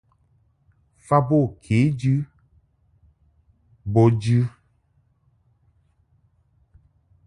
Fa bo kejɨ bo jɨ.